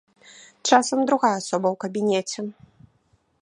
Часам другая асоба ў кабінеце.